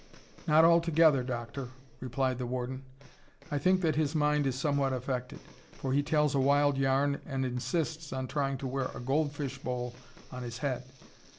"Not altogether, Doctor," replied the warden. "I think that his mind is somewhat affected, for he tells a wild yarn and insists on trying to wear a goldfish bowl on his head.